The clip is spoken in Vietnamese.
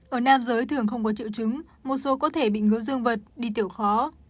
ở nam giới thường không có triệu chứng một số có thể bị ngứa dương vật đi tiểu khó